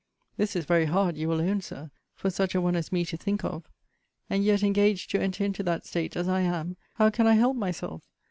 This is very hard, you will own, Sir, for such a one as me to think of. And yet, engaged to enter into that state, as I am, how can I help myself?